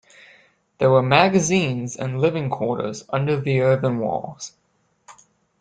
There were magazines and living quarters under the earthen walls.